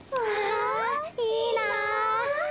わいいな！